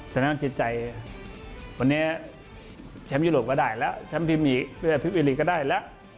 ฉะนั้นจิตใจวันนี้แชมป์ยุโรปก็ได้แล้วแชมป์ทีมอีกเพื่อพิปเอลีกก็ได้แล้ว